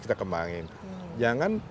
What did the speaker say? kita kembangin jangan